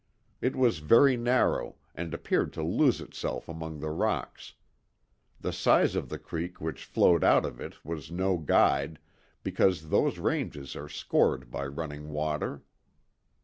It was very narrow, and appeared to lose itself among the rocks. The size of the creek which flowed out of it was no guide, because those ranges are scored by running water.